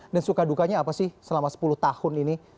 suka dukanya apa sih selama sepuluh tahun ini